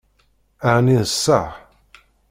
Ɛni d ṣṣeḥ?